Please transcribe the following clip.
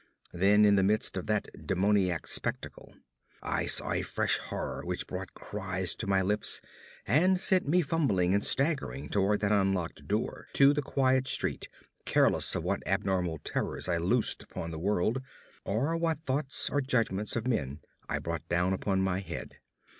Then, in the midst of that demoniac spectacle, I saw a fresh horror which brought cries to my lips and sent me fumbling and staggering toward that unlocked door to the quiet street, careless of what abnormal terrors I loosed upon the world, or what thoughts or judgments of men I brought down upon my head.